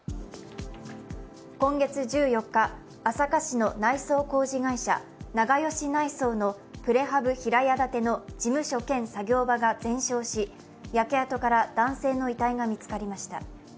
今月１４日、朝霞市の内装工事会社、長葭内装のプレハブ平屋建ての事務所兼作業場が全焼し焼け跡から男性の遺体が見つかりました。